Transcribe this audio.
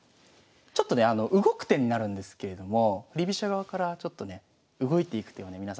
ちょっとね動く手になるんですけれども振り飛車側からちょっとね動いていく手をね